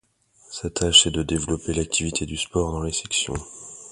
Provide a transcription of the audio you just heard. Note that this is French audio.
Sa tâche est de développer l'activité du sport dans les sections.